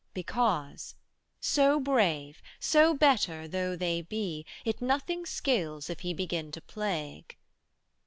65 Because; so brave, so better though they be, It nothing skills if He begin to plague.